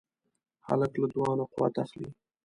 هلک له دعا نه قوت اخلي.